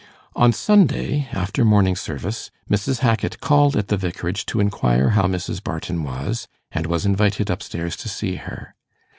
On Sunday, after morning service, Mrs. Hackit called at the Vicarage to inquire how Mrs. Barton was, and was invited up stairs to see her.